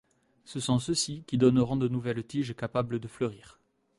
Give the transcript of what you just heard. Ce sont ceux-ci qui donneront de nouvelles tiges capables de fleurir.